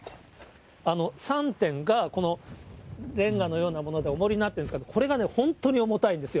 ３点がれんがのようなものでおもりになってるんですけど、これが本当に重たいんですよ。